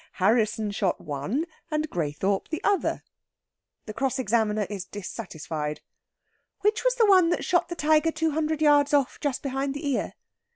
Harrisson shot one, and Graythorpe the other. The cross examiner is dissatisfied. "Which was the one that shot the tiger two hundred yards off, just behind the ear?"